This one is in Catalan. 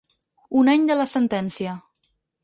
Un any de la sentència.